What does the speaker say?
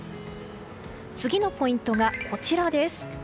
次のポイントが、こちらです。